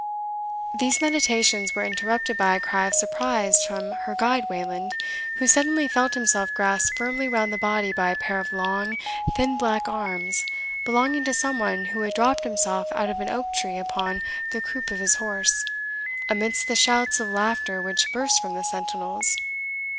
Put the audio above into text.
These meditations were interrupted by a cry of surprise from her guide Wayland, who suddenly felt himself grasped firmly round the body by a pair of long, thin black arms, belonging to some one who had dropped himself out of an oak tree upon the croup of his horse, amidst the shouts of laughter which burst from the sentinels.